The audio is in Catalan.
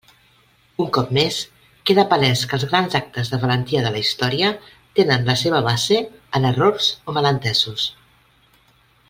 Un cop més queda palès que els grans actes de valentia de la història tenen la seva base en errors o malentesos.